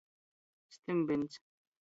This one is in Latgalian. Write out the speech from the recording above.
Stymbyns.